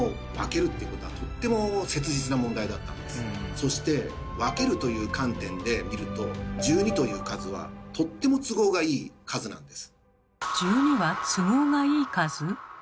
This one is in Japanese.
そして「分ける」という観点で見ると１２という数はとっても都合がいい数なんです。